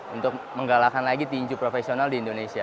untuk menggalakkan lagi tinju profesional di indonesia